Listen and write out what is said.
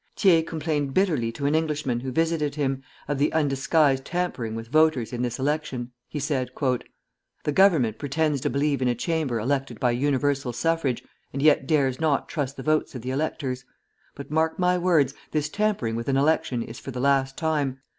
Thiers complained bitterly to an Englishman, who visited him, of the undisguised tampering with voters in this election. He said, "The Government pretends to believe in a Chamber elected by universal suffrage, and yet dares not trust the votes of the electors; but mark my words, this tampering with an election is for the last time.